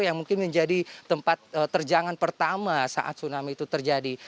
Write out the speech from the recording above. yang mungkin menjadi tempat terjangan pertama saat tsunami itu terjadi